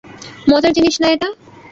মজার জিনিস না এটা।